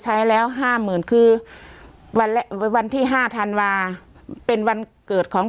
ใช้แล้วห้าหมื่นคือวันวันที่ห้าธันวาเป็นวันเกิดของ